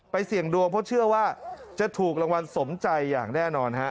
เสี่ยงดวงเพราะเชื่อว่าจะถูกรางวัลสมใจอย่างแน่นอนฮะ